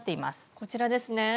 こちらですね。